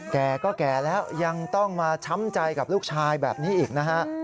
แก่ก็แก่แล้วยังต้องมาช้ำใจกับลูกชายแบบนี้อีกนะฮะ